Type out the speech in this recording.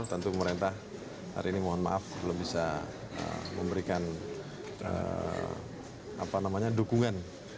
tentu pemerintah hari ini mohon maaf belum bisa memberikan dukungan